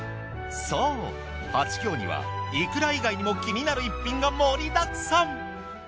そうはちきょうにはいくら以外にも気になる逸品が盛りだくさん。